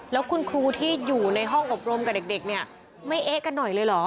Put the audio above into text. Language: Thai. แล้วคุณครูที่อยู่ในห้องอบรมกับเด็กเนี่ยไม่เอ๊ะกันหน่อยเลยเหรอ